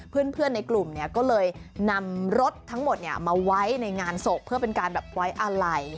เพื่อนในกลุ่มก็เลยนำรถทั้งหมดมาไว้ในงานศพเพื่อเป็นการแบบไว้อะไร